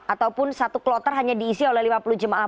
ataupun satu kloter hanya diisi oleh lima puluh jemaah